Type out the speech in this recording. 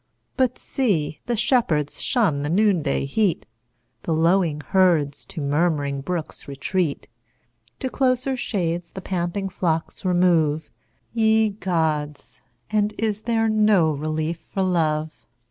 But see, the shepherds shun the noon day heat, The lowing herds to murm'ring brooks retreat, To closer shades the panting flocks remove, Ye Gods! And is there no relief for Love?